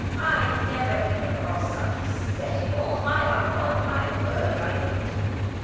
I never came across such a set in all my life—upon my word I didn't.